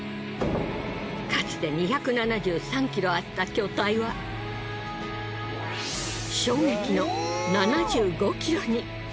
かつて２７３ｋｇあった巨体は衝撃の７５ｋｇに。